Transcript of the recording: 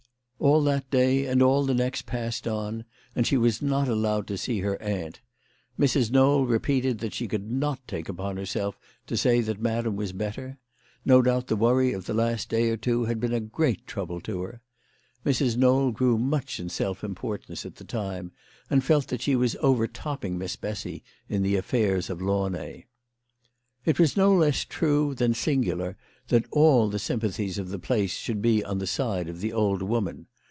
All that day and all the next passed on and she was not allowed to see her aunt. Mrs. Knowl repeated that she could not take upon herself to say that Madam THE LADY OF LAUNAY. 141 was better. No doubt the worry of the last day or two had been a great trouble to her. Mrs. Knowl grew much in self importance at the time, and felt that she was overtopping Miss Bessy in the affairs of Launay. It was no less true than singular that all the sympa thies of the place should be on the side of the old woman.